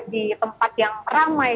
di tempat yang ramai